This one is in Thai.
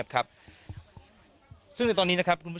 หลังจากผู้ชมไปฟังเสียงแม่น้องชมไป